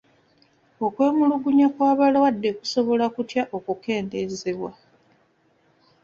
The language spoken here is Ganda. Okwemulugunya kw'abalwadde kusobola kutya okukendeezebwa?